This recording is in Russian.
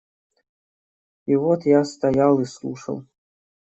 И вот я стоял и слушал.